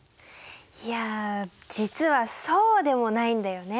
いや実はそうでもないんだよね。